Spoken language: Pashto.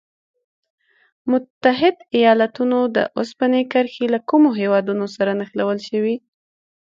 متحد ایلاتونو د اوسپنې کرښې له کومو هېوادونو سره نښلول شوي؟